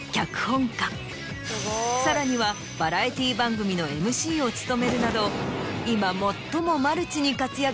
さらにはバラエティー番組のＭＣを務めるなど今。